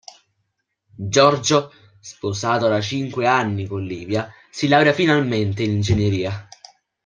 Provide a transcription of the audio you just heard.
Giorgio, sposato da cinque anni con Livia, si laurea finalmente in ingegneria.